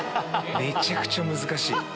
めちゃくちゃ難しい。